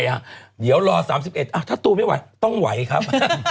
ช่วงนี้ทำไมอ่ะเดี๋ยวรอ๓๑อ่ะถ้าตูไม่ไหวต้องไหวครับ